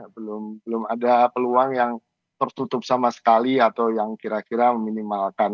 belum belum ada peluang yang tertutup sama sekali atau yang kira kira meminimalkan